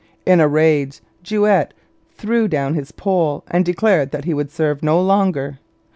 In a rage Juet threw down his pole and declared that he would serve no longer.